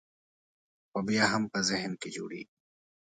خو بیا هم په ذهن کې جوړېږي.